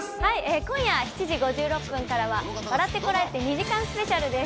今夜７時５６分からは『笑ってコラえて！』２時間スペシャルです。